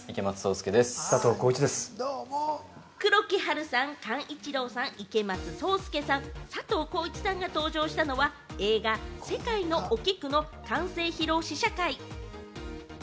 黒木華さん、寛一郎さん、池松壮亮さん、佐藤浩市さんが登場したのは映画『せかいのおきく』の完成披露試写会。